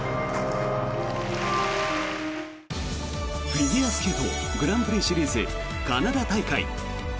フィギュアスケートグランプリシリーズカナダ大会。